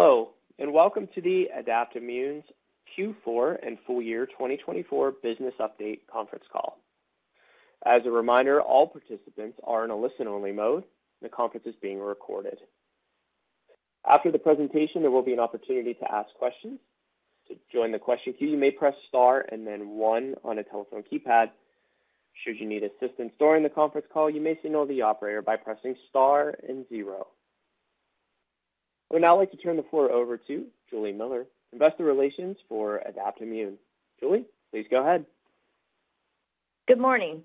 Hello, and welcome to Adaptimmune's Q4 and Full Year 2024 Business Update Conference Call. As a reminder, all participants are in a listen-only mode, and the conference is being recorded. After the presentation, there will be an opportunity to ask questions. To join the question queue, you may press star and then one on a telephone keypad. Should you need assistance during the conference call, you may signal the operator by pressing star and zero. I would now like to turn the floor over to Juli Miller, Investor Relations for Adaptimmune. Juli, please go ahead. Good morning,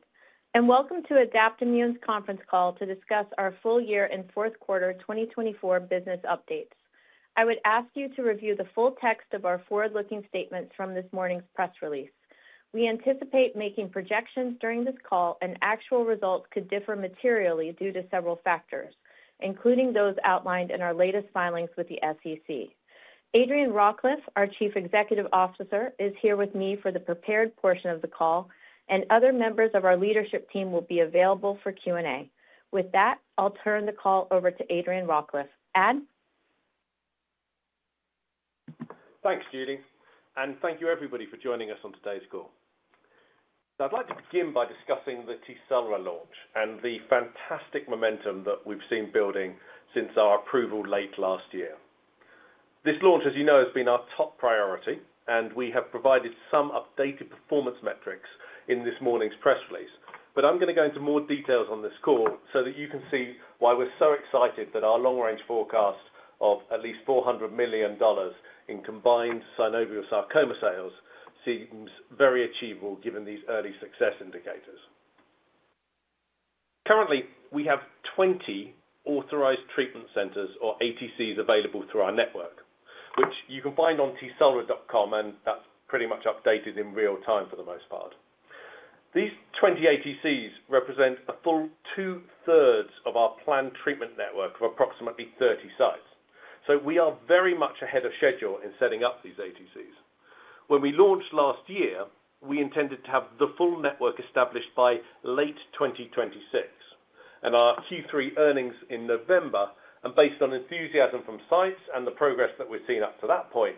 and welcome to Adaptimmune's conference call to discuss our full year and fourth quarter 2024 business updates. I would ask you to review the full text of our forward-looking statements from this morning's press release. We anticipate making projections during this call, and actual results could differ materially due to several factors, including those outlined in our latest filings with the SEC. Adrian Rawcliffe, our Chief Executive Officer, is here with me for the prepared portion of the call, and other members of our leadership team will be available for Q&A. With that, I'll turn the call over to Adrian Rawcliffe. Ad? Thanks, Juli, and thank you, everybody, for joining us on today's call. I'd like to begin by discussing the TECELRA launch and the fantastic momentum that we've seen building since our approval late last year. This launch, as you know, has been our top priority, and we have provided some updated performance metrics in this morning's press release. I'm going to go into more details on this call so that you can see why we're so excited that our long-range forecast of at least $400 million in combined synovial sarcoma sales seems very achievable given these early success indicators. Currently, we have 20 authorized treatment centers, or ATCs, available through our network, which you can find on tecelra.com, and that's pretty much updated in real time for the most part. These 20 ATCs represent a full two-thirds of our planned treatment network of approximately 30 sites. We are very much ahead of schedule in setting up these ATCs. When we launched last year, we intended to have the full network established by late 2026, and our Q3 earnings in November, and based on enthusiasm from sites and the progress that we've seen up to that point,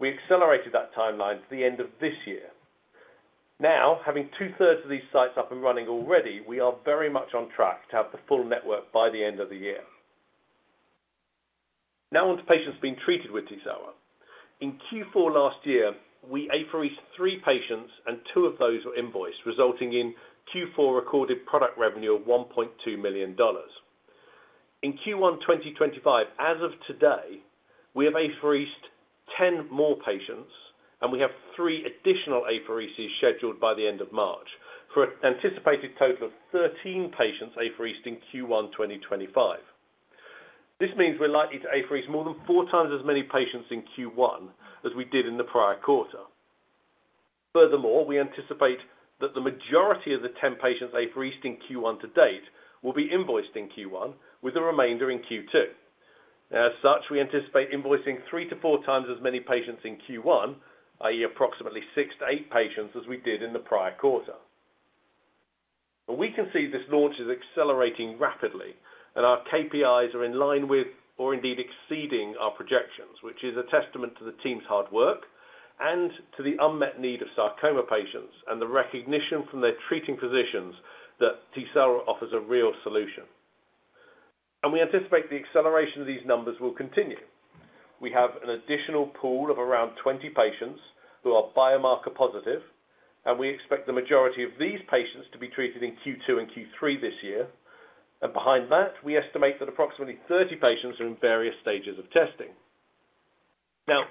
we accelerated that timeline to the end of this year. Now, having two-thirds of these sites up and running already, we are very much on track to have the full network by the end of the year. Now, onto patients being treated with TECELRA. In Q4 last year, we apheresed three patients, and two of those were invoiced, resulting in Q4 recorded product revenue of $1.2 million. In Q1 2025, as of today, we have apheresed 10 more patients, and we have three additional aphereses scheduled by the end of March for an anticipated total of 13 patients apheresed in Q1 2025. This means we're likely to apherese more than four times as many patients in Q1 as we did in the prior quarter. Furthermore, we anticipate that the majority of the 10 patients apheresed in Q1 to date will be invoiced in Q1, with the remainder in Q2. As such, we anticipate invoicing three to four times as many patients in Q1, i.e., approximately six to eight patients as we did in the prior quarter. We can see this launch is accelerating rapidly, and our KPIs are in line with, or indeed exceeding, our projections, which is a testament to the team's hard work and to the unmet need of sarcoma patients and the recognition from their treating physicians that TECELRA offers a real solution. We anticipate the acceleration of these numbers will continue. We have an additional pool of around 20 patients who are biomarker positive, and we expect the majority of these patients to be treated in Q2 and Q3 this year. Behind that, we estimate that approximately 30 patients are in various stages of testing.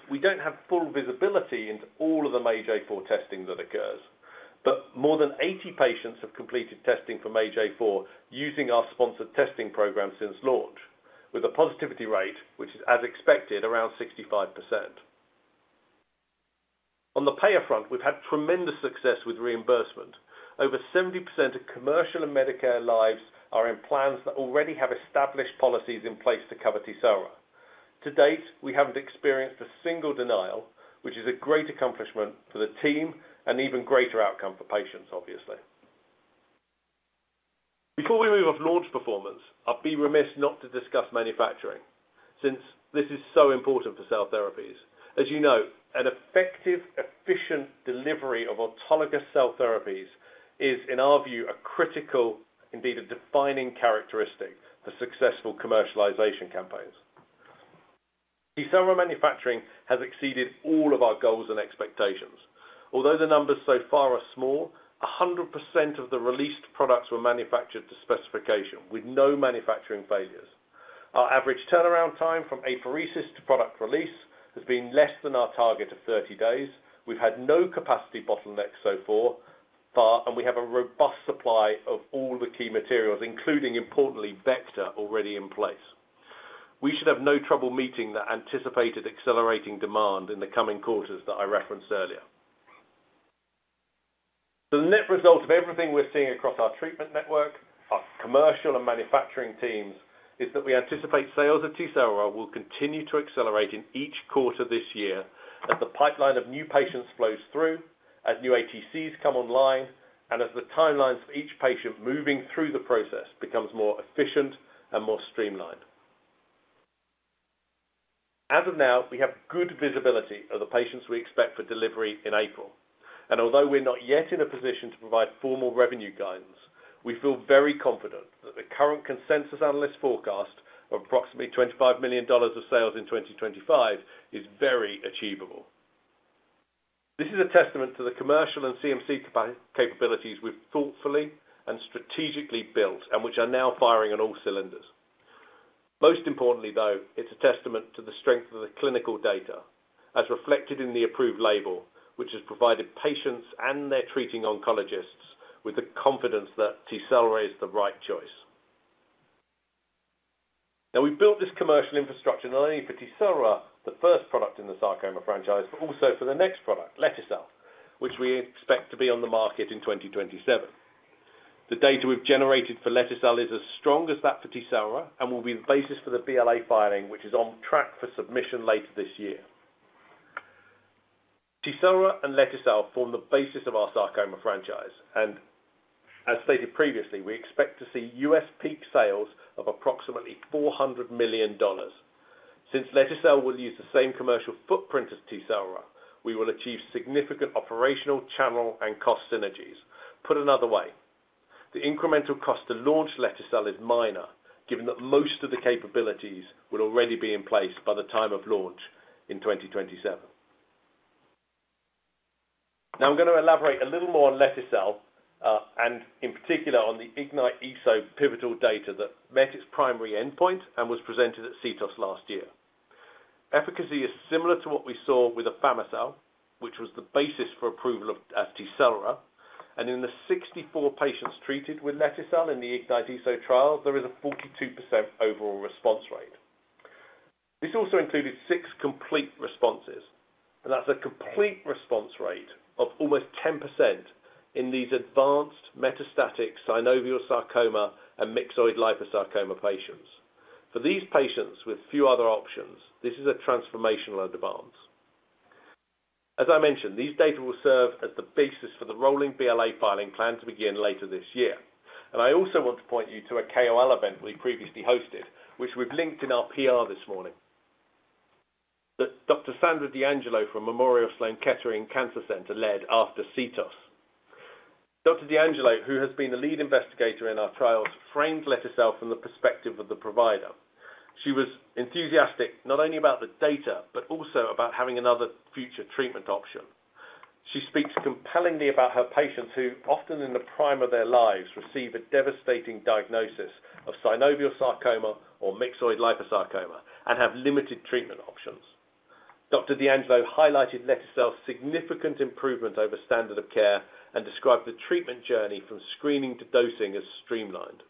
We do not have full visibility into all of the MAGE-A4 testing that occurs, but more than 80 patients have completed testing for MAGE-A4 using our sponsored testing program since launch, with a positivity rate, which is, as expected, around 65%. On the payer front, we've had tremendous success with reimbursement. Over 70% of commercial and Medicare lives are in plans that already have established policies in place to cover TECELRA. To date, we haven't experienced a single denial, which is a great accomplishment for the team and even greater outcome for patients, obviously. Before we move off launch performance, I'd be remiss not to discuss manufacturing, since this is so important for cell therapies. As you know, an effective, efficient delivery of autologous cell therapies is, in our view, a critical, indeed a defining characteristic for successful commercialization campaigns. TECELRA manufacturing has exceeded all of our goals and expectations. Although the numbers so far are small, 100% of the released products were manufactured to specification, with no manufacturing failures. Our average turnaround time from apheresis to product release has been less than our target of 30 days. We've had no capacity bottlenecks so far, and we have a robust supply of all the key materials, including, importantly, vector already in place. We should have no trouble meeting the anticipated accelerating demand in the coming quarters that I referenced earlier. The net result of everything we're seeing across our treatment network, our commercial and manufacturing teams, is that we anticipate sales of TECELRA will continue to accelerate in each quarter this year as the pipeline of new patients flows through, as new ATCs come online, and as the timelines for each patient moving through the process become more efficient and more streamlined. As of now, we have good visibility of the patients we expect for delivery in April. Although we're not yet in a position to provide formal revenue guidance, we feel very confident that the current consensus analyst forecast of approximately $25 million of sales in 2025 is very achievable. This is a testament to the commercial and CMC capabilities we've thoughtfully and strategically built and which are now firing on all cylinders. Most importantly, though, it's a testament to the strength of the clinical data, as reflected in the approved label, which has provided patients and their treating oncologists with the confidence that TECELRA is the right choice. We've built this commercial infrastructure not only for TECELRA, the first product in the sarcoma franchise, but also for the next product, lete-cel, which we expect to be on the market in 2027. The data we've generated for lete-cel is as strong as that for TECELRA and will be the basis for the BLA filing, which is on track for submission later this year. TECELRA and lete-cel form the basis of our sarcoma franchise, and as stated previously, we expect to see US peak sales of approximately $400 million. Since lete-cel will use the same commercial footprint as TECELRA, we will achieve significant operational, channel, and cost synergies. Put another way, the incremental cost to launch lete-cel is minor, given that most of the capabilities will already be in place by the time of launch in 2027. Now, I'm going to elaborate a little more on lete-cel and, in particular, on the IGNYTE-ESO pivotal data that met its primary endpoint and was presented at CTOS last year. Efficacy is similar to what we saw with afami-cel, which was the basis for approval of TECELRA, and in the 64 patients treated with lete-cel in the IGNYTE-ESO trial, there is a 42% overall response rate. This also included six complete responses, and that's a complete response rate of almost 10% in these advanced metastatic synovial sarcoma and myxoid liposarcoma patients. For these patients with few other options, this is a transformational advance. As I mentioned, these data will serve as the basis for the rolling BLA filing plan to begin later this year. I also want to point you to a KOL event we previously hosted, which we've linked in our PR this morning that Dr. Sandra D'Angelo from Memorial Sloan Kettering Cancer Center led after CTOS. Dr. D'Angelo, who has been the lead investigator in our trials, framed lete-cel from the perspective of the provider. She was enthusiastic not only about the data but also about having another future treatment option. She speaks compellingly about her patients who, often in the prime of their lives, receive a devastating diagnosis of synovial sarcoma or myxoid/round cell liposarcoma and have limited treatment options. Dr. D'Angelo highlighted lete-cel's significant improvement over standard of care and described the treatment journey from screening to dosing as streamlined.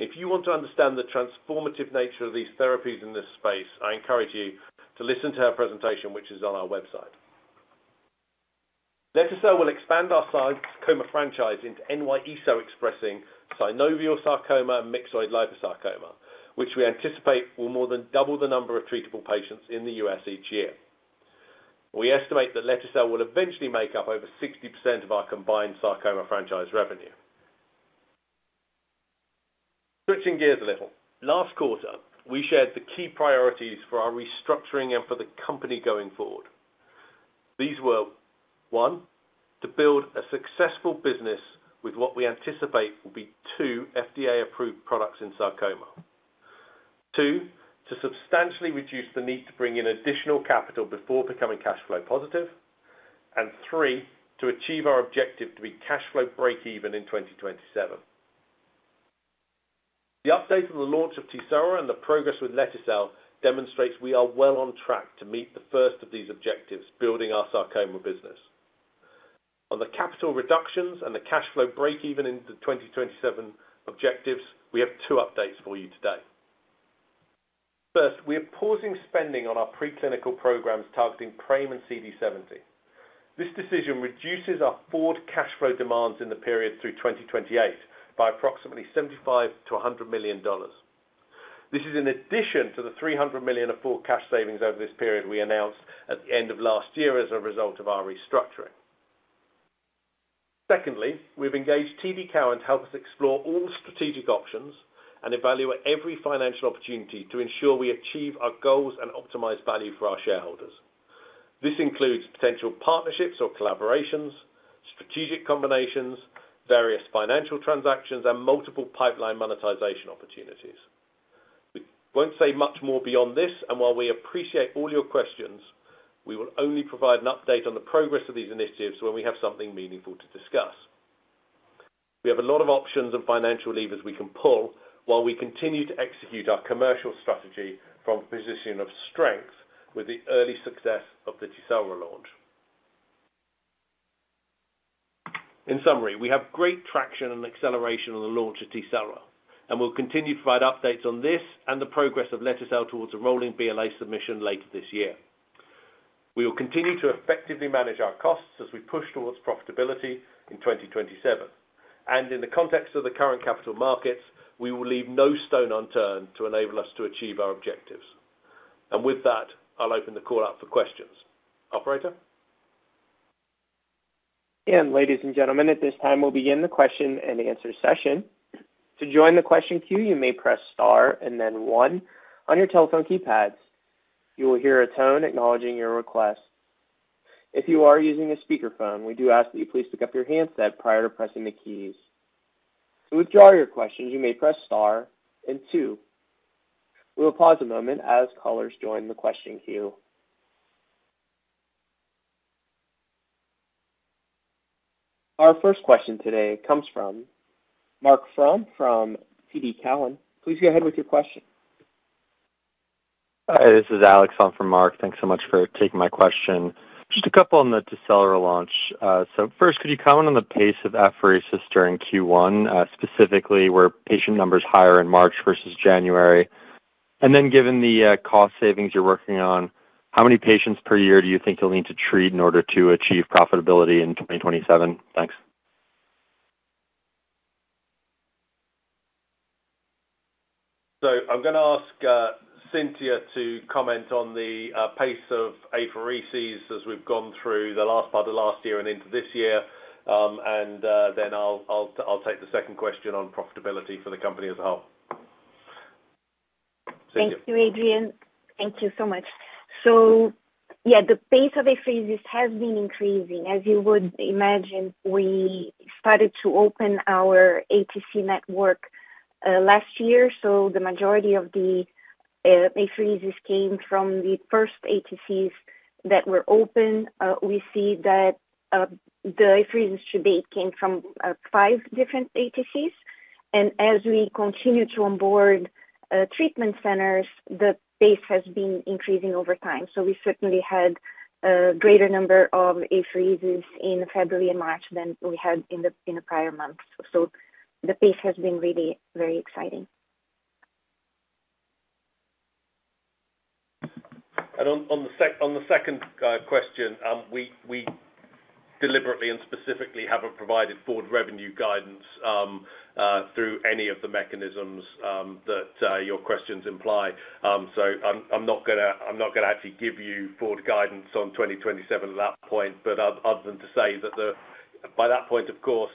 If you want to understand the transformative nature of these therapies in this space, I encourage you to listen to her presentation, which is on our website. Lete-cel will expand our sarcoma franchise into NY-ESO-1 expressing synovial sarcoma and myxoid/round cell liposarcoma, which we anticipate will more than double the number of treatable patients in the U.S. each year. We estimate that lete-cel will eventually make up over 60% of our combined sarcoma franchise revenue. Switching gears a little, last quarter, we shared the key priorities for our restructuring and for the company going forward. These were, one, to build a successful business with what we anticipate will be two FDA-approved products in sarcoma. Two, to substantially reduce the need to bring in additional capital before becoming cash flow positive. Three, to achieve our objective to be cash flow break-even in 2027. The update of the launch of TECELRA and the progress with lete-cel demonstrates we are well on track to meet the first of these objectives, building our sarcoma business. On the capital reductions and the cash flow break-even into the 2027 objectives, we have two updates for you today. First, we are pausing spending on our preclinical programs targeting PRAME and CD70. This decision reduces our forward cash flow demands in the period through 2028 by approximately $75 million-$100 million. This is in addition to the $300 million of forward cash savings over this period we announced at the end of last year as a result of our restructuring. Secondly, we've engaged TD Cowen to help us explore all strategic options and evaluate every financial opportunity to ensure we achieve our goals and optimize value for our shareholders. This includes potential partnerships or collaborations, strategic combinations, various financial transactions, and multiple pipeline monetization opportunities. We won't say much more beyond this, and while we appreciate all your questions, we will only provide an update on the progress of these initiatives when we have something meaningful to discuss. We have a lot of options and financial levers we can pull while we continue to execute our commercial strategy from a position of strength with the early success of the TECELRA launch. In summary, we have great traction and acceleration on the launch of TECELRA, and we will continue to provide updates on this and the progress of lete-cel towards a rolling BLA submission later this year. We will continue to effectively manage our costs as we push towards profitability in 2027. In the context of the current capital markets, we will leave no stone unturned to enable us to achieve our objectives. With that, I'll open the call up for questions. Operator? Ladies and gentlemen, at this time, we'll begin the question and answer session. To join the question queue, you may press star and then one. On your telephone keypads, you will hear a tone acknowledging your request. If you are using a speakerphone, we do ask that you please pick up your handset prior to pressing the keys. To withdraw your questions, you may press star and two. We'll pause a moment as callers join the question queue. Our first question today comes from Mark Frahm from TD Cowen. Please go ahead with your question. Hi, this is Alex on for Mark. Thanks so much for taking my question. Just a couple on the TECELRA launch. First, could you comment on the pace of apheresis during Q1, specifically were patient numbers higher in March versus January? Given the cost savings you're working on, how many patients per year do you think you'll need to treat in order to achieve profitability in 2027? Thanks. I'm going to ask Cintia to comment on the pace of apheresis as we've gone through the last part of last year and into this year. Then I'll take the second question on profitability for the company as a whole. Thank you, Adrian. Thank you so much. Yeah, the pace of apheresis has been increasing. As you would imagine, we started to open our ATC network last year. The majority of the apheresis came from the first ATCs that were open. We see that the apheresis to date came from five different ATCs. As we continue to onboard treatment centers, the pace has been increasing over time. We certainly had a greater number of apheresis in February and March than we had in the prior months. The pace has been really very exciting. On the second question, we deliberately and specifically have not provided forward revenue guidance through any of the mechanisms that your questions imply. I am not going to actually give you forward guidance on 2027 at that point, other than to say that by that point, of course,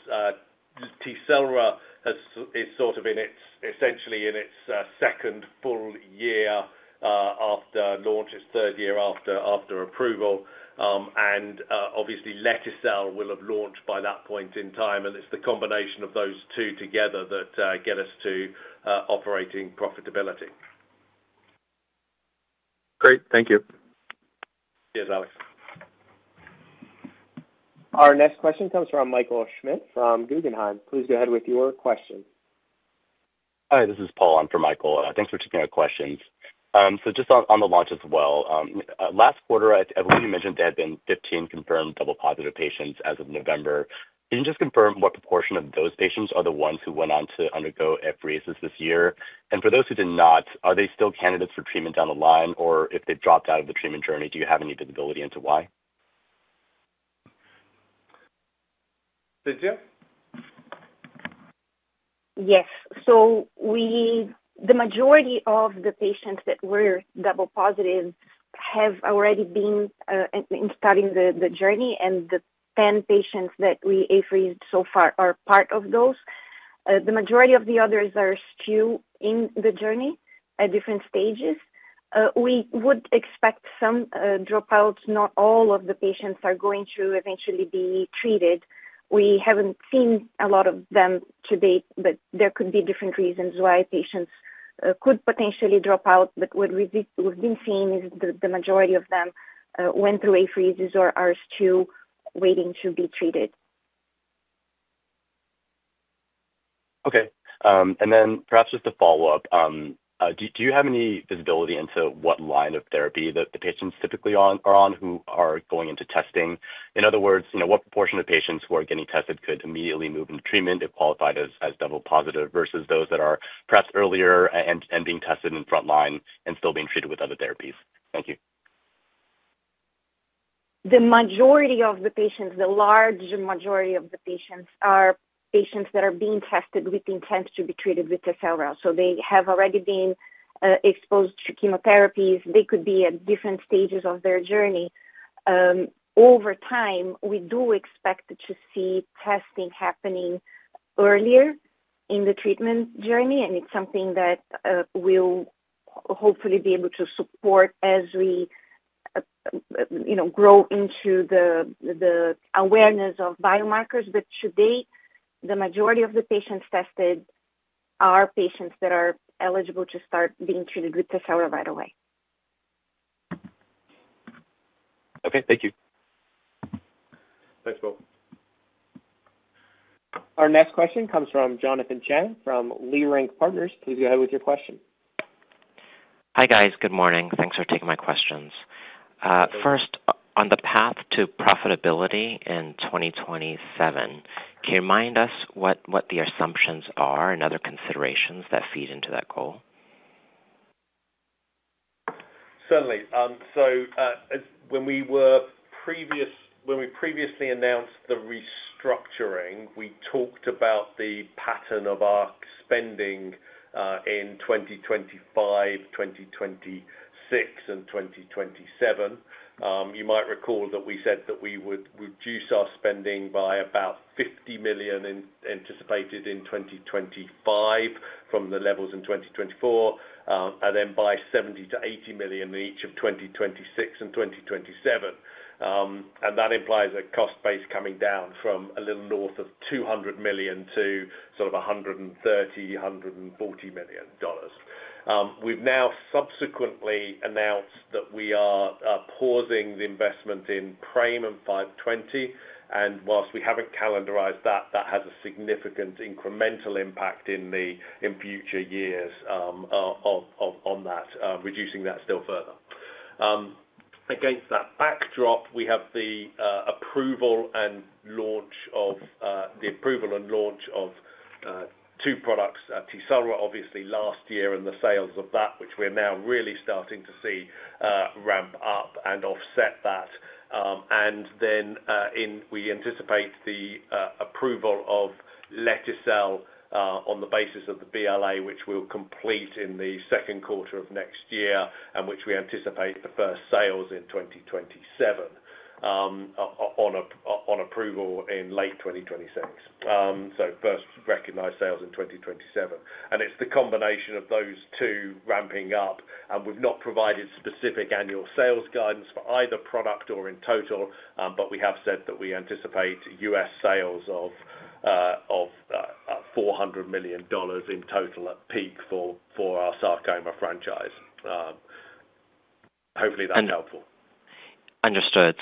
TECELRA is essentially in its second full year after launch, its third year after approval. Obviously, lete-cel will have launched by that point in time. It is the combination of those two together that get us to operating profitability. Great. Thank you. Cheers, Alex. Our next question comes from Michael Schmidt from Guggenheim. Please go ahead with your question. Hi, this is Paul on for Michael. Thanks for taking our questions. Just on the launch as well, last quarter, I believe you mentioned there had been 15 confirmed double-positive patients as of November. Can you just confirm what proportion of those patients are the ones who went on to undergo apheresis this year? For those who did not, are they still candidates for treatment down the line? If they've dropped out of the treatment journey, do you have any visibility into why? Cintia? Yes. The majority of the patients that were double-positive have already been starting the journey, and the 10 patients that we apheresed so far are part of those. The majority of the others are still in the journey at different stages. We would expect some dropouts. Not all of the patients are going to eventually be treated. We have not seen a lot of them to date, but there could be different reasons why patients could potentially drop out. What we have been seeing is that the majority of them went through apheresis or are still waiting to be treated. Okay. Perhaps just to follow up, do you have any visibility into what line of therapy that the patients typically are on who are going into testing? In other words, what proportion of patients who are getting tested could immediately move into treatment if qualified as double-positive versus those that are prepped earlier and being tested in front line and still being treated with other therapies? Thank you. The majority of the patients, the large majority of the patients, are patients that are being tested with the intent to be treated with TECELRA. They have already been exposed to chemotherapies. They could be at different stages of their journey. Over time, we do expect to see testing happening earlier in the treatment journey, and it is something that we will hopefully be able to support as we grow into the awareness of biomarkers. To date, the majority of the patients tested are patients that are eligible to start being treated with TECELRA right away. Okay. Thank you. Thanks, Paul. Our next question comes from Jonathan Chang from Leerink Partners. Please go ahead with your question. Hi guys. Good morning. Thanks for taking my questions. First, on the path to profitability in 2027, can you remind us what the assumptions are and other considerations that feed into that goal? Certainly. When we previously announced the restructuring, we talked about the pattern of our spending in 2025, 2026, and 2027. You might recall that we said that we would reduce our spending by about $50 million anticipated in 2025 from the levels in 2024, and then by $70 million-$80 million in each of 2026 and 2027. That implies a cost base coming down from a little north of $200 million to sort of $130 million-$140 million. We have now subsequently announced that we are pausing the investment in PRAME and ADP-520. Whilst we have not calendarized that, that has a significant incremental impact in the future years on that, reducing that still further. Against that backdrop, we have the approval and launch of two products, TECELRA, obviously, last year and the sales of that, which we're now really starting to see ramp up and offset that. We anticipate the approval of lete-cel on the basis of the BLA, which we'll complete in the second quarter of next year and which we anticipate the first sales in 2027 on approval in late 2026. First recognized sales in 2027. It's the combination of those two ramping up. We've not provided specific annual sales guidance for either product or in total, but we have said that we anticipate US sales of $400 million in total at peak for our sarcoma franchise. Hopefully, that's helpful. Understood.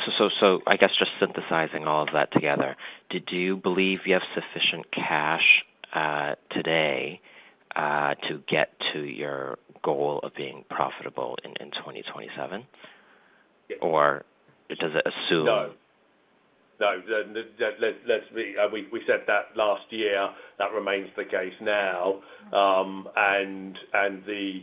I guess just synthesizing all of that together, did you believe you have sufficient cash today to get to your goal of being profitable in 2027? Or does it assume? No. No. We said that last year. That remains the case now. The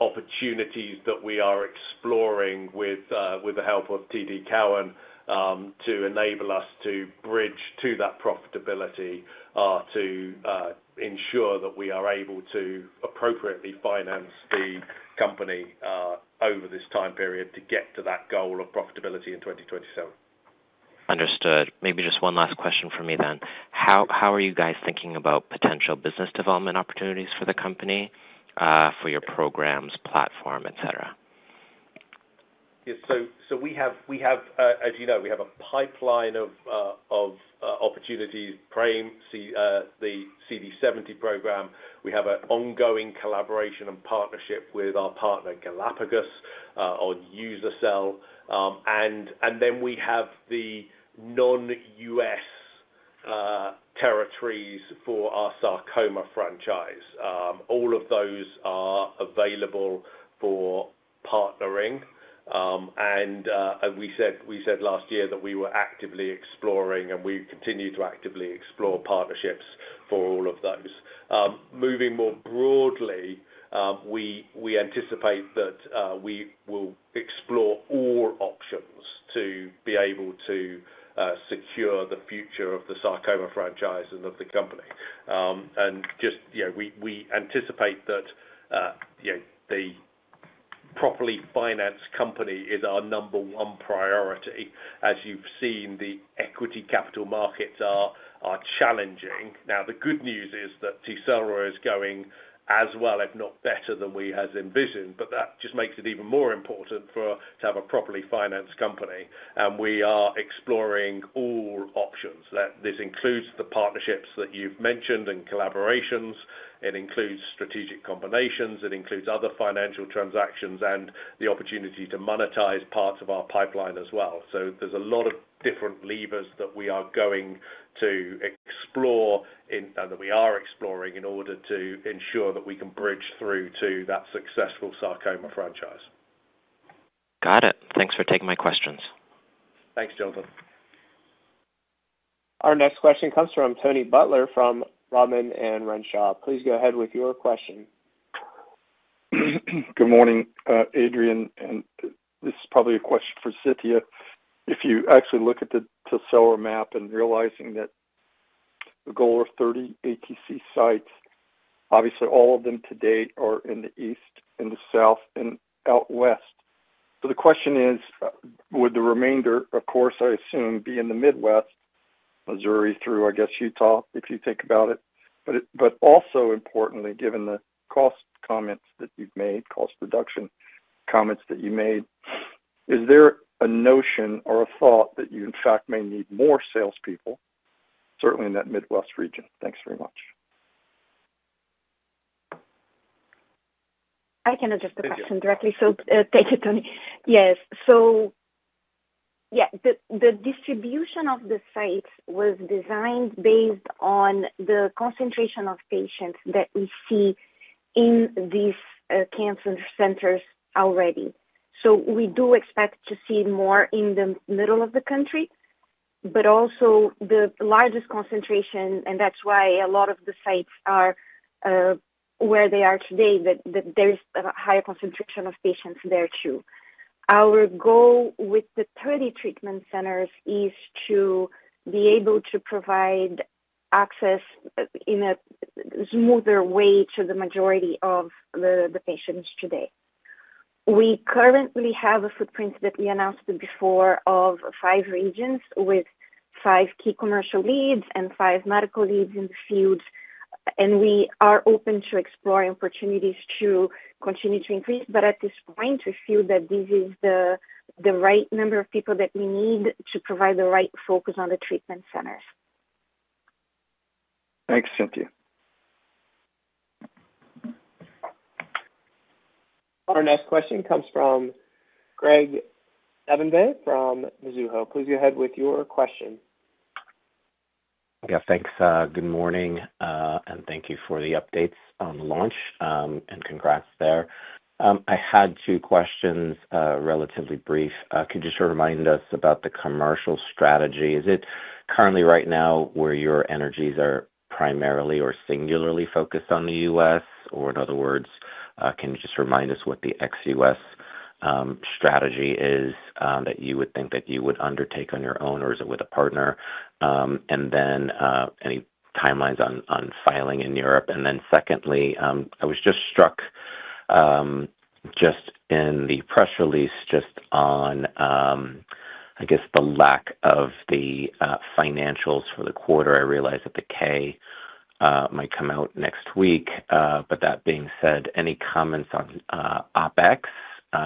opportunities that we are exploring with the help of TD Cowen to enable us to bridge to that profitability are to ensure that we are able to appropriately finance the company over this time period to get to that goal of profitability in 2027. Understood. Maybe just one last question for me then. How are you guys thinking about potential business development opportunities for the company, for your programs, platform, etc.? Yeah. As you know, we have a pipeline of opportunities: PRAME, the CD70 program. We have an ongoing collaboration and partnership with our partner Galapagos on uza-cel. We have the non-U.S. territories for our sarcoma franchise. All of those are available for partnering. As we said last year, we were actively exploring, and we continue to actively explore partnerships for all of those. Moving more broadly, we anticipate that we will explore all options to be able to secure the future of the sarcoma franchise and of the company. We anticipate that the properly financed company is our number one priority. As you've seen, the equity capital markets are challenging. The good news is that TECELRA is going as well, if not better than we had envisioned. That just makes it even more important to have a properly financed company. We are exploring all options. This includes the partnerships that you've mentioned and collaborations. It includes strategic combinations. It includes other financial transactions and the opportunity to monetize parts of our pipeline as well. There are a lot of different levers that we are going to explore and that we are exploring in order to ensure that we can bridge through to that successful sarcoma franchise. Got it. Thanks for taking my questions. Thanks, Jonathan. Our next question comes from Tony Butler from Rodman & Renshaw. Please go ahead with your question. Good morning, Adrian. This is probably a question for Cintia. If you actually look at the TECELRA map and realizing that the goal of 30 ATC sites, obviously all of them to date are in the east, in the south, and out west. The question is, would the remainder, of course, I assume, be in the Midwest, Missouri through, I guess, Utah, if you think about it? Also importantly, given the cost comments that you've made, cost reduction comments that you made, is there a notion or a thought that you, in fact, may need more salespeople, certainly in that Midwest region? Thanks very much. I can address the question directly. Thank you, Tony. Yes. The distribution of the sites was designed based on the concentration of patients that we see in these cancer centers already. We do expect to see more in the middle of the country, but also the largest concentration. That is why a lot of the sites are where they are today, that there is a higher concentration of patients there too. Our goal with the 30 treatment centers is to be able to provide access in a smoother way to the majority of the patients today. We currently have a footprint that we announced before of five regions with five key commercial leads and five medical leads in the fields. We are open to exploring opportunities to continue to increase. At this point, we feel that this is the right number of people that we need to provide the right focus on the treatment centers. Thanks, Cintia. Our next question comes from Graig Suvannavejh from Mizuho. Please go ahead with your question. Yeah. Thanks. Good morning. Thank you for the updates on launch and congrats there. I had two questions, relatively brief. Could you just remind us about the commercial strategy? Is it currently right now where your energies are primarily or singularly focused on the U.S.? In other words, can you just remind us what the ex-U.S. strategy is that you would think that you would undertake on your own, or is it with a partner? Any timelines on filing in Europe? Secondly, I was just struck just in the press release just on, I guess, the lack of the financials for the quarter. I realize that the K might come out next week. That being said, any comments on OPEX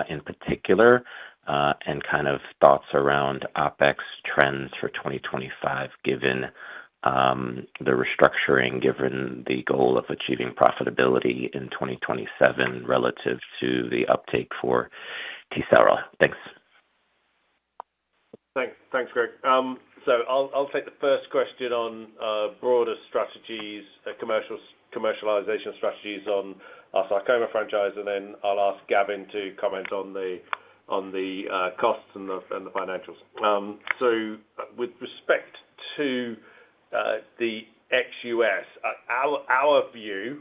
in particular and kind of thoughts around OPEX trends for 2025, given the restructuring, given the goal of achieving profitability in 2027 relative to the uptake for TECELRA? Thanks. Thanks, Greg. I'll take the first question on broader strategies, commercialization strategies on our sarcoma franchise. I'll ask Gavin to comment on the costs and the financials. With respect to the ex-U.S., our view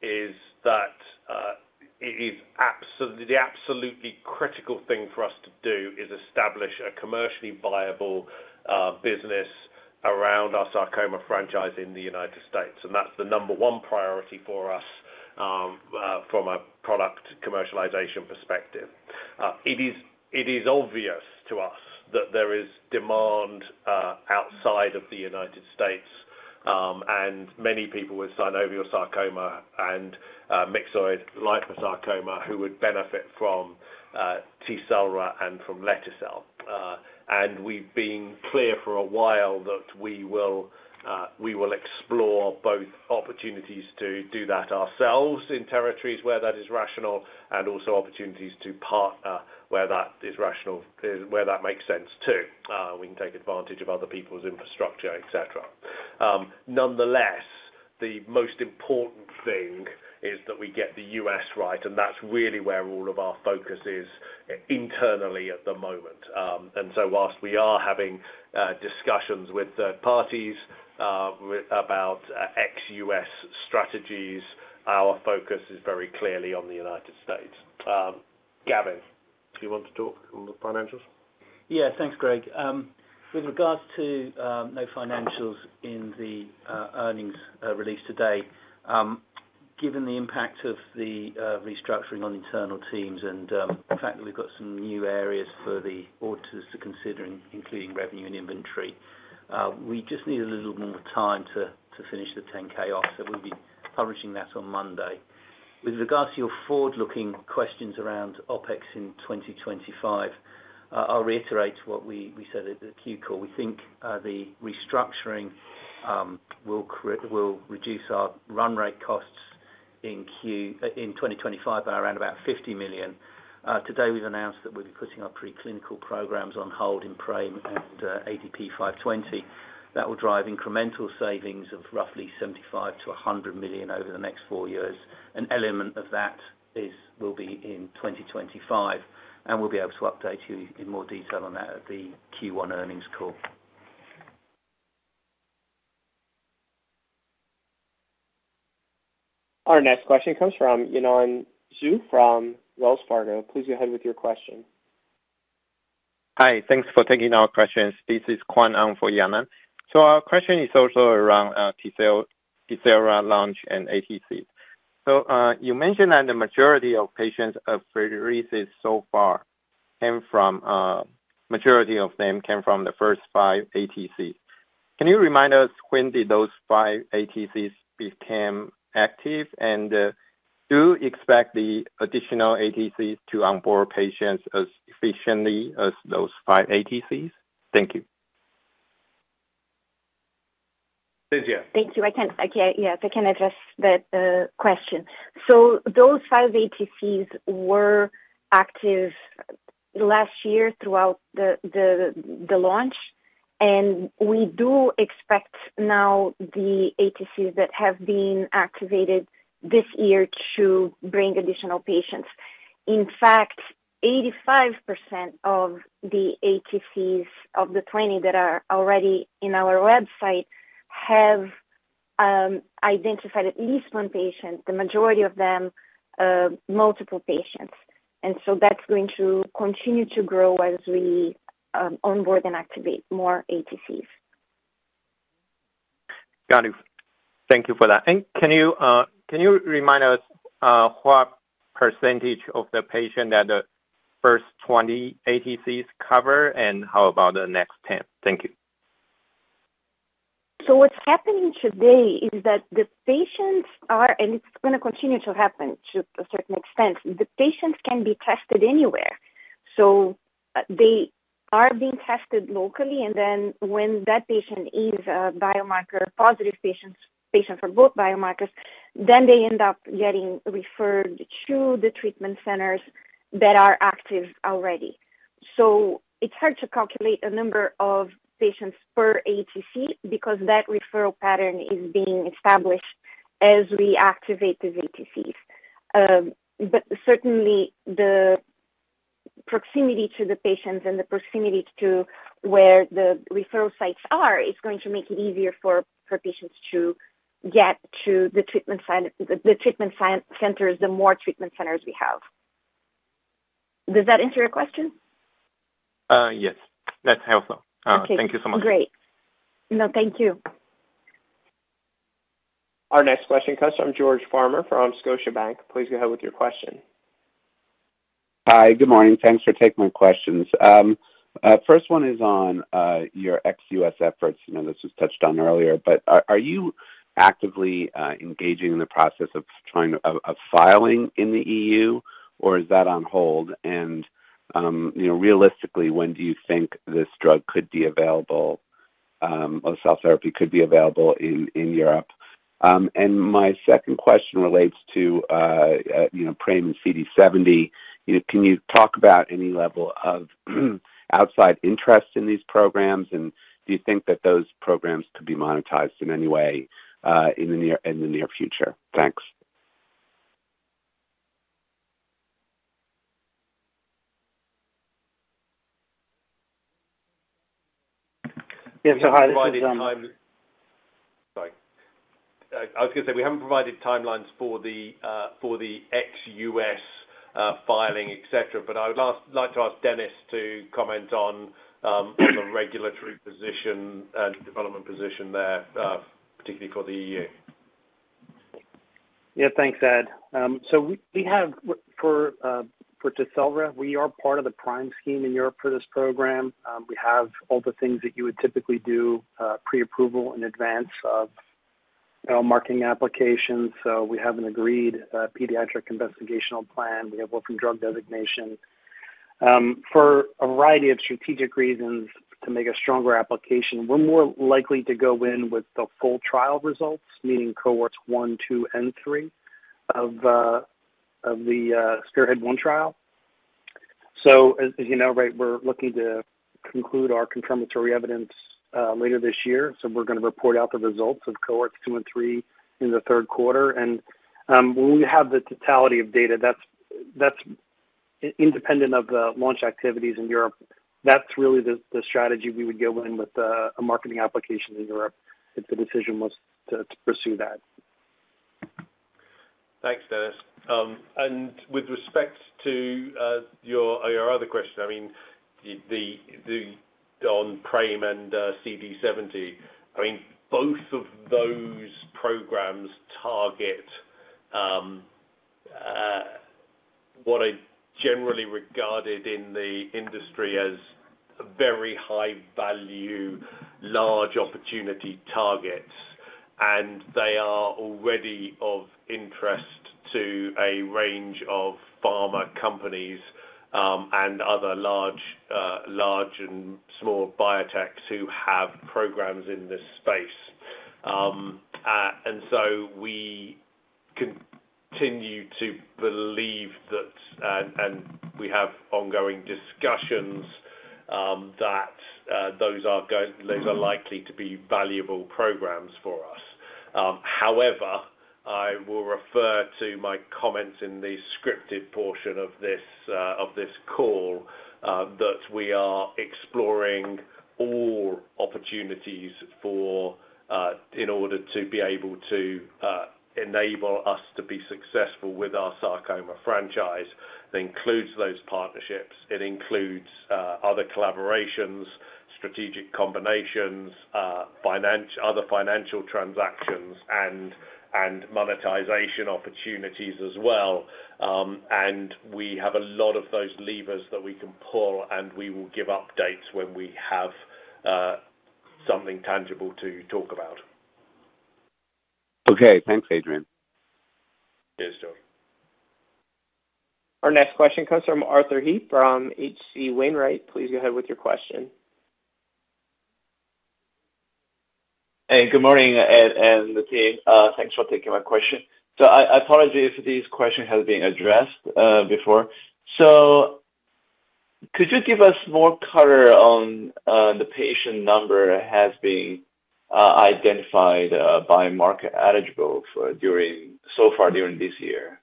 is that the absolutely critical thing for us to do is establish a commercially viable business around our sarcoma franchise in the United States. That's the number one priority for us from a product commercialization perspective. It is obvious to us that there is demand outside of the United States, and many people with synovial sarcoma and myxoid liposarcoma who would benefit from TECELRA and from lete-cel. We've been clear for a while that we will explore both opportunities to do that ourselves in territories where that is rational and also opportunities to partner where that is rational, where that makes sense too. We can take advantage of other people's infrastructure, etc. Nonetheless, the most important thing is that we get the U.S. right. That is really where all of our focus is internally at the moment. Whilst we are having discussions with third parties about ex-U.S. strategies, our focus is very clearly on the United States. Gavin, do you want to talk on the financials? Yeah. Thanks, Greg. With regards to no financials in the earnings released today, given the impact of the restructuring on internal teams and the fact that we've got some new areas for the auditors to consider, including revenue and inventory, we just need a little more time to finish the 10-K off. We'll be publishing that on Monday. With regards to your forward-looking questions around OpEx in 2025, I'll reiterate what we said at the Q call. We think the restructuring will reduce our run rate costs in 2025 by around about $50 million. Today, we've announced that we'll be putting our preclinical programs on hold in PRAME and ADP-520. That will drive incremental savings of roughly $75 million-$100 million over the next four years. An element of that will be in 2025. We will be able to update you in more detail on that at the Q1 earnings call. Our next question comes from Yanan Zhu from Wells Fargo. Please go ahead with your question. Hi. Thanks for taking our questions. This is Kuang-Hung for Yanan. Our question is also around TECELRA launch and ATCs. You mentioned that the majority of patients at apheresed so far came from the majority of them came from the first five ATCs. Can you remind us when did those five ATCs become active? Do you expect the additional ATCs to onboard patients as efficiently as those five ATCs? Thank you. Cintia. Thank you. Yeah. If I can address the question. Those five ATCs were active last year throughout the launch. We do expect now the ATCs that have been activated this year to bring additional patients. In fact, 85% of the ATCs of the 20 that are already in our website have identified at least one patient, the majority of them multiple patients. That is going to continue to grow as we onboard and activate more ATCs. Got it. Thank you for that. Can you remind us what percentage of the patient that the first 20 ATCs cover? How about the next 10? Thank you. What's happening today is that the patients are—and it's going to continue to happen to a certain extent—the patients can be tested anywhere. They are being tested locally. When that patient is a biomarker-positive patient, patient for both biomarkers, then they end up getting referred to the treatment centers that are active already. It's hard to calculate a number of patients per ATC because that referral pattern is being established as we activate the ATCs. Certainly, the proximity to the patients and the proximity to where the referral sites are is going to make it easier for patients to get to the treatment centers, the more treatment centers we have. Does that answer your question? Yes. That's helpful. Thank you so much. Okay. Great. No, thank you. Our next question comes from George Farmer from Scotiabank. Please go ahead with your question. Hi. Good morning. Thanks for taking my questions. First one is on your ex-U.S. efforts. This was touched on earlier. Are you actively engaging in the process of filing in the EU, or is that on hold? Realistically, when do you think this drug could be available, or cell therapy could be available in Europe? My second question relates to PRAME and CD70. Can you talk about any level of outside interest in these programs? Do you think that those programs could be monetized in any way in the near future? Thanks. Yeah. Hi. This is— Sorry. I was going to say we haven't provided timelines for the ex-U.S. filing, etc. I would like to ask Dennis to comment on the regulatory position and development position there, particularly for the EU. Yeah. Thanks, Ed. For TECELRA, we are part of the PRIME scheme in Europe for this program. We have all the things that you would typically do pre-approval in advance of biomarking applications. We have an agreed pediatric investigational plan. We have orphan drug designation. For a variety of strategic reasons, to make a stronger application, we're more likely to go in with the full trial results, meaning cohorts one, two, and three of the SPEARHEAD-1 trial. As you know, right, we're looking to conclude our confirmatory evidence later this year. We're going to report out the results of cohorts two and three in the third quarter. When we have the totality of data, that's independent of the launch activities in Europe. That's really the strategy we would go in with a marketing application in Europe if the decision was to pursue that. Thanks, Dennis. With respect to your other question, I mean, on PRAME and CD70, I mean, both of those programs target what are generally regarded in the industry as very high-value, large opportunity targets. They are already of interest to a range of pharma companies and other large and small biotechs who have programs in this space. We continue to believe that, and we have ongoing discussions, that those are likely to be valuable programs for us. However, I will refer to my comments in the scripted portion of this call that we are exploring all opportunities in order to be able to enable us to be successful with our sarcoma franchise. It includes those partnerships. It includes other collaborations, strategic combinations, other financial transactions, and monetization opportunities as well. We have a lot of those levers that we can pull. We will give updates when we have something tangible to talk about. Okay. Thanks, Adrian. Cheers, George. Our next question comes from Arthur He from H.C. Wainwright. Please go ahead with your question. Hey. Good morning, Adrian and the team. Thanks for taking my question. I apologize if these questions have been addressed before. Could you give us more color on the patient number that has been identified biomarker eligible so far during this year?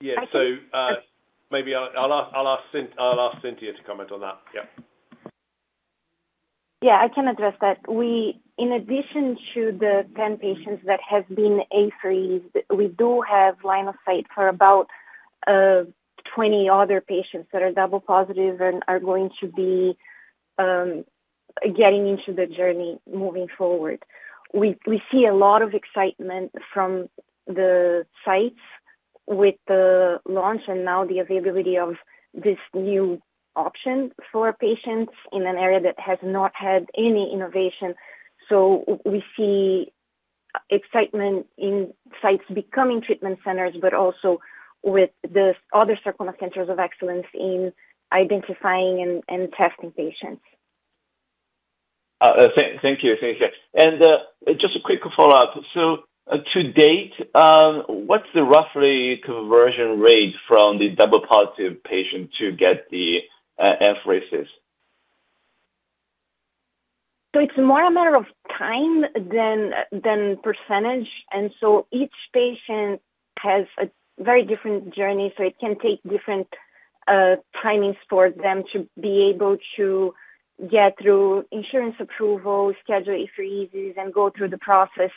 Yeah. Maybe I'll ask Cintia to comment on that. Yep. Yeah. I can address that. In addition to the 10 patients that have been apheresed, we do have line of sight for about 20 other patients that are double positive and are going to be getting into the journey moving forward. We see a lot of excitement from the sites with the launch and now the availability of this new option for patients in an area that has not had any innovation. We see excitement in sites becoming treatment centers, but also with the other circumstances of excellence in identifying and testing patients. Thank you, Cintia. Just a quick follow-up. To date, what's the roughly conversion rate from the double positive patient to get the apheresis? It is more a matter of time than percentage. Each patient has a very different journey. It can take different timings for them to be able to get through insurance approval, schedule apheresis, and go through the process.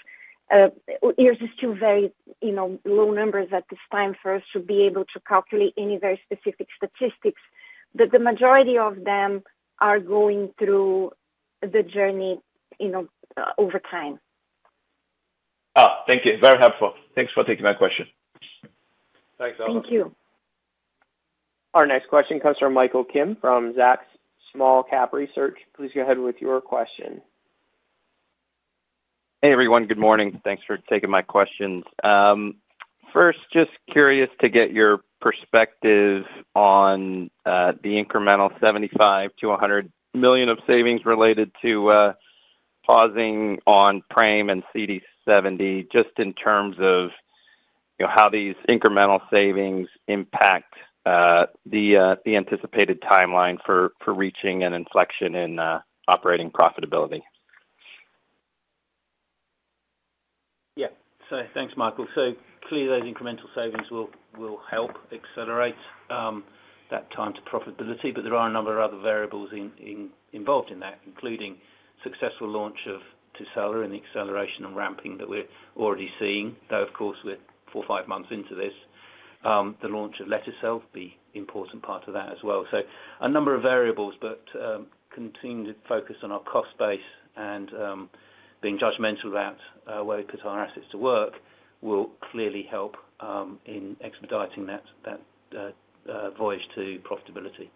There are still very low numbers at this time for us to be able to calculate any very specific statistics. The majority of them are going through the journey over time. Thank you. Very helpful. Thanks for taking my question. Thanks, Alex. Thank you. Our next question comes from Michael Kim from Zacks Small-Cap Research. Please go ahead with your question. Hey, everyone. Good morning. Thanks for taking my questions. First, just curious to get your perspective on the incremental $75 million-$100 million of savings related to pausing on PRAME and CD70, just in terms of how these incremental savings impact the anticipated timeline for reaching an inflection in operating profitability. Yeah. Thanks, Michael. Clearly, those incremental savings will help accelerate that time to profitability. There are a number of other variables involved in that, including successful launch of TECELRA and the acceleration and ramping that we're already seeing. Of course, we're four, five months into this, the launch of lete-cel will be an important part of that as well. A number of variables, but continuing to focus on our cost base and being judgmental about where we put our assets to work will clearly help in expediting that voyage to profitability.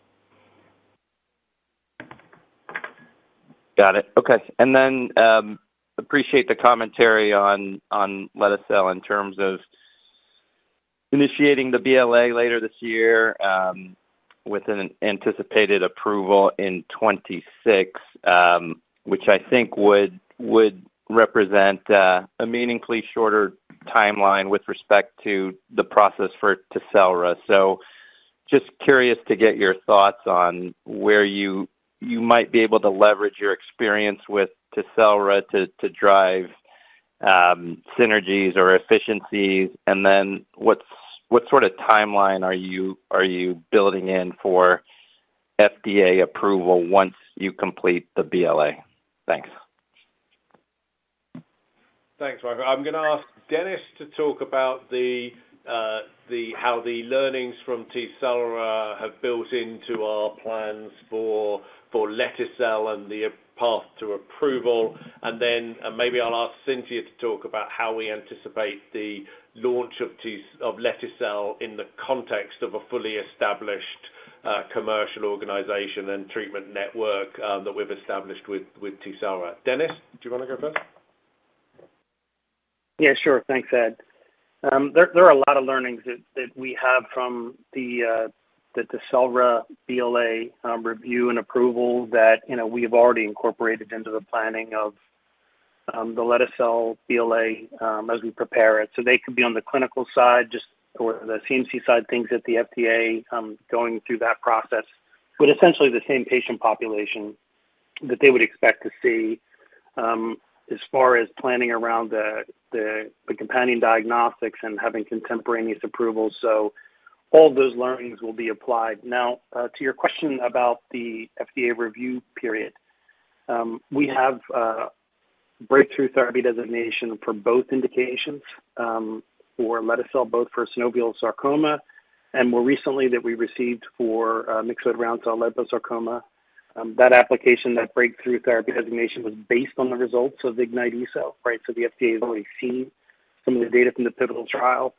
Got it. Okay. Appreciate the commentary on lete-cel in terms of initiating the BLA later this year with an anticipated approval in 2026, which I think would represent a meaningfully shorter timeline with respect to the process for TECELRA. Just curious to get your thoughts on where you might be able to leverage your experience with TECELRA to drive synergies or efficiencies. What sort of timeline are you building in for FDA approval once you complete the BLA? Thanks. Thanks, Michael. I'm going to ask Dennis to talk about how the learnings from TECELRA have built into our plans for lete-cel and the path to approval. Maybe I'll ask Cintia to talk about how we anticipate the launch of lete-cel in the context of a fully established commercial organization and treatment network that we've established with TECELRA. Dennis, do you want to go first? Yeah. Sure. Thanks, Adrian. There are a lot of learnings that we have from the TECELRA BLA review and approval that we have already incorporated into the planning of the lete-cel BLA as we prepare it. They could be on the clinical side or the CMC side, things that the FDA is going through that process, but essentially the same patient population that they would expect to see as far as planning around the companion diagnostics and having contemporaneous approvals. All those learnings will be applied. Now, to your question about the FDA review period, we have Breakthrough Therapy Designation for both indications for lete-cel, both for synovial sarcoma, and more recently that we received for myxoid/round cell liposarcoma. That application, that Breakthrough Therapy Designation was based on the results of the IGNYTE-ESO, right? The FDA has already seen some of the data from the pivotal trial.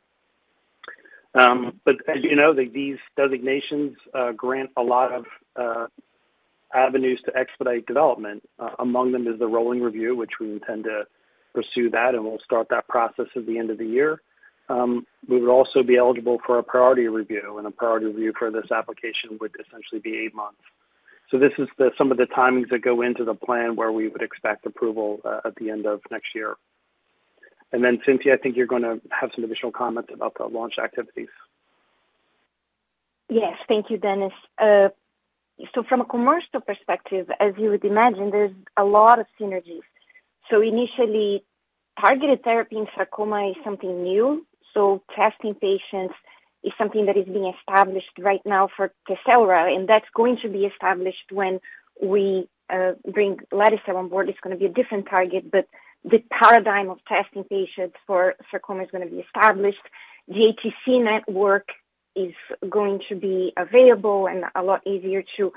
As you know, these designations grant a lot of avenues to expedite development. Among them is the rolling review, which we intend to pursue, and we'll start that process at the end of the year. We would also be eligible for a priority review. A priority review for this application would essentially be eight months. This is some of the timings that go into the plan where we would expect approval at the end of next year. Cintia, I think you're going to have some additional comments about the launch activities. Yes. Thank you, Dennis. From a commercial perspective, as you would imagine, there's a lot of synergies. Initially, targeted therapy in sarcoma is something new. Testing patients is something that is being established right now for TECELRA. That is going to be established when we bring lete-cel on board. It's going to be a different target, but the paradigm of testing patients for sarcoma is going to be established. The ATC network is going to be available and a lot easier to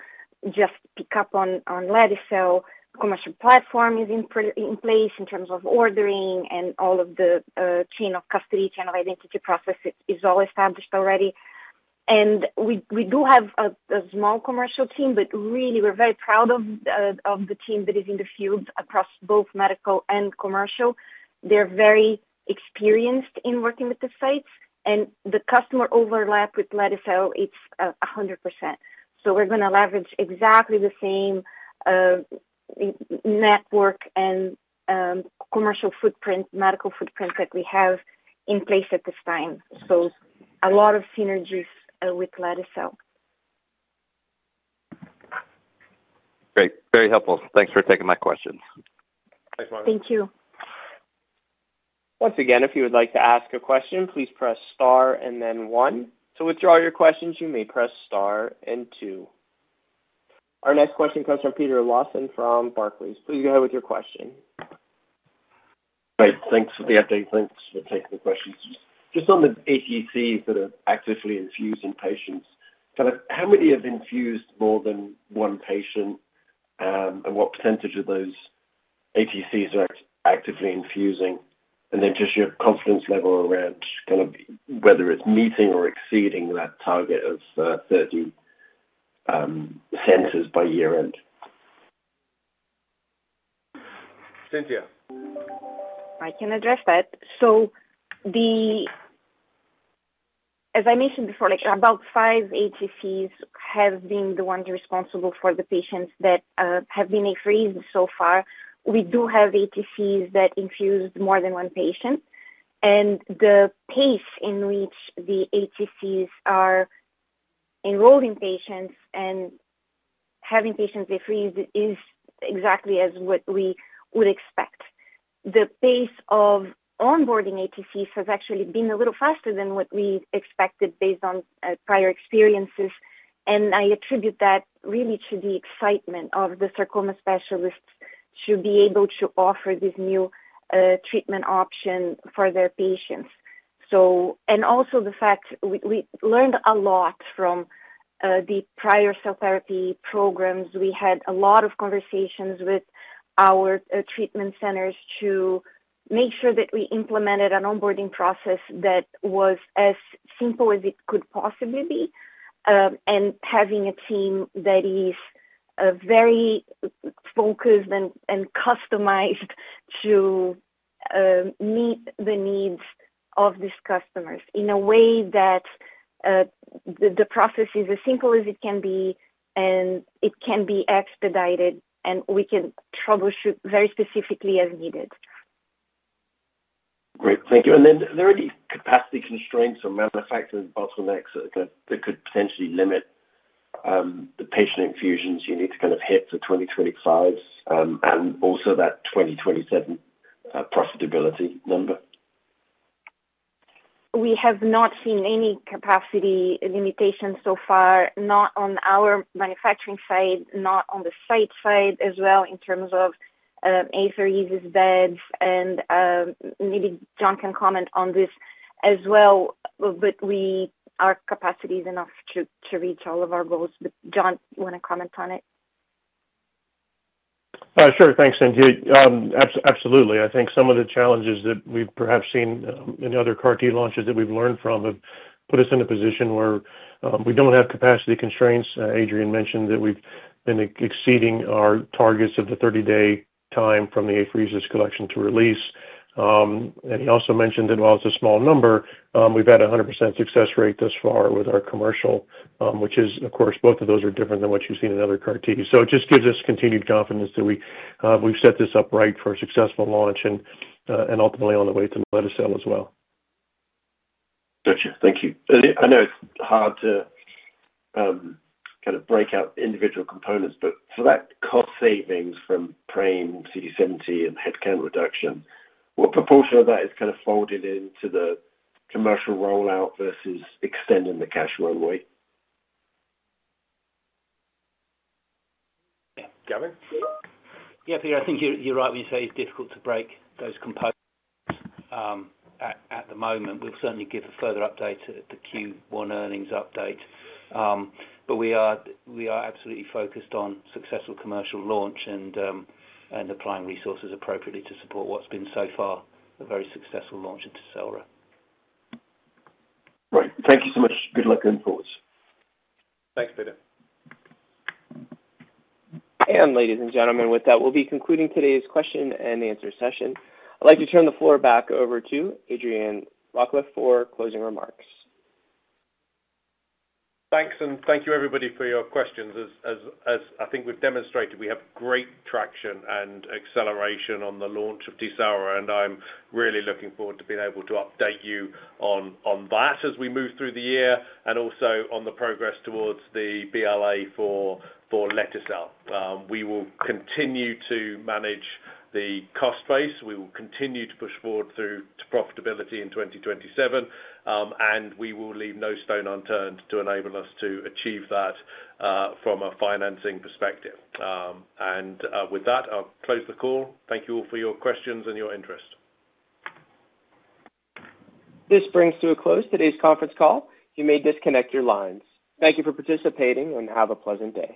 just pick up on lete-cel. Commercial platform is in place in terms of ordering, and all of the chain of custody, chain of identity process is all established already. We do have a small commercial team, but really, we're very proud of the team that is in the field across both medical and commercial. They're very experienced in working with the sites. The customer overlap with lete-cel, it's 100%. We're going to leverage exactly the same network and commercial footprint, medical footprint that we have in place at this time. A lot of synergies with lete-cel. Great. Very helpful. Thanks for taking my questions. Thanks, Michael. Thank you. Once again, if you would like to ask a question, please press star and then one. To withdraw your questions, you may press star and two. Our next question comes from Peter Lawson from Barclays. Please go ahead with your question. Great. Thanks for the update. Thanks for taking the questions. Just on the ATCs that are actively infusing patients, kind of how many have infused more than one patient, and what % of those ATCs are actively infusing? Just your confidence level around kind of whether it's meeting or exceeding that target of 30 centers by year-end. Cintia. I can address that. As I mentioned before, about five ATCs have been the ones responsible for the patients that have been apheresed so far. We do have ATCs that infused more than one patient. The pace in which the ATCs are enrolling patients and having patients apheresed is exactly as what we would expect. The pace of onboarding ATCs has actually been a little faster than what we expected based on prior experiences. I attribute that really to the excitement of the sarcoma specialists to be able to offer this new treatment option for their patients. Also, the fact we learned a lot from the prior cell therapy programs. We had a lot of conversations with our treatment centers to make sure that we implemented an onboarding process that was as simple as it could possibly be. Having a team that is very focused and customized to meet the needs of these customers in a way that the process is as simple as it can be, and it can be expedited, and we can troubleshoot very specifically as needed. Great. Thank you. Are there any capacity constraints or manufacturing bottlenecks that could potentially limit the patient infusions you need to kind of hit for 2025 and also that 2027 profitability number? We have not seen any capacity limitations so far, not on our manufacturing side, not on the site side as well in terms of apheresis beds. Maybe John can comment on this as well. Our capacity is enough to reach all of our goals. John, you want to comment on it? Sure. Thanks, Cintia. Absolutely. I think some of the challenges that we've perhaps seen in other CAR-T launches that we've learned from have put us in a position where we don't have capacity constraints. Adrian mentioned that we've been exceeding our targets of the 30-day time from the apheresis collection to release. He also mentioned that while it's a small number, we've had a 100% success rate thus far with our commercial, which is, of course, both of those are different than what you've seen in other CAR-Ts. It just gives us continued confidence that we've set this up right for a successful launch and ultimately on the way to lete-cel as well. Gotcha. Thank you. I know it's hard to kind of break out individual components, but for that cost savings from PRAME, CD70, and headcount reduction, what proportion of that is kind of folded into the commercial rollout versus extending the cash runway? Yeah. Gavin? Yeah, Peter, I think you're right when you say it's difficult to break those components at the moment. We'll certainly give a further update at the Q1 earnings update. We are absolutely focused on successful commercial launch and applying resources appropriately to support what's been so far a very successful launch in TECELRA. Great. Thank you so much. Good luck going forward. Thanks, Peter. Ladies and gentlemen, with that, we'll be concluding today's question and answer session. I'd like to turn the floor back over to Adrian Rawcliffe for closing remarks. Thanks. Thank you, everybody, for your questions. As I think we've demonstrated, we have great traction and acceleration on the launch of TECELRA. I'm really looking forward to being able to update you on that as we move through the year and also on the progress towards the BLA for lete-cel. We will continue to manage the cost base. We will continue to push forward through to profitability in 2027. We will leave no stone unturned to enable us to achieve that from a financing perspective. With that, I'll close the call. Thank you all for your questions and your interest. This brings to a close today's conference call. You may disconnect your lines. Thank you for participating and have a pleasant day.